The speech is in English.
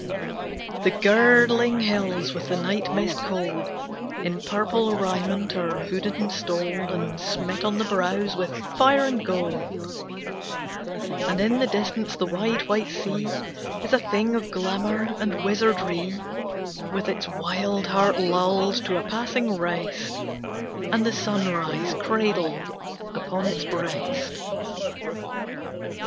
The girdling hills with the night mist cold In purple raiment are hooded and stoled And smit on the brows with fire and gold; And in the distance the wide, white sea Is a thing of glamor and wizardry, With its wild heart lulled to a passing rest, And the sunrise cradled upon its breast.